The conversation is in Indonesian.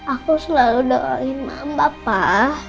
aku selalu doain mama pak